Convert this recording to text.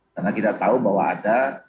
karena kita tahu bahwa ada